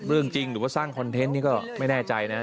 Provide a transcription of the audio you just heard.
เรื่องจริงหรือว่าสร้างคอนเทนต์นี่ก็ไม่แน่ใจนะ